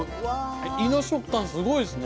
胃の食感すごいですね。